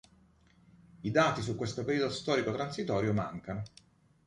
I dati su questo periodo storico transitorio mancano.